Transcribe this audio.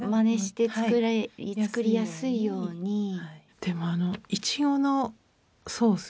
でもあのいちごのソース。